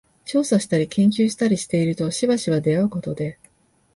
調査したり研究したりしているとしばしば出合うことで、